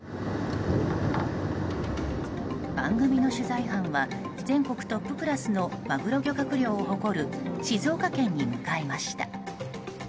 番組の取材班は全国トップクラスのマグロ漁獲量を誇る静岡県に向かいました。